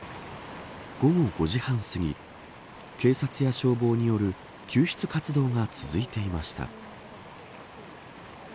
午後５時半すぎ警察や消防による救出活動が続いていました。